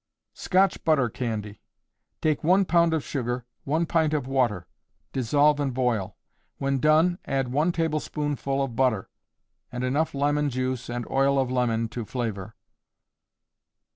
Scotch Butter Candy. Take 1 pound of sugar, 1 pint of water: dissolve and boil. When done add 1 tablespoonful of butter, and enough lemon juice and oil of lemon to flavor.